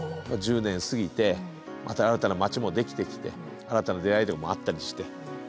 １０年過ぎてまた新たな町もできてきて新たな出会いとかもあったりして。